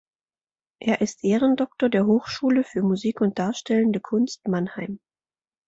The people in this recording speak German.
Er ist Ehrendoktor der Hochschule für Musik und Darstellende Kunst Mannheim.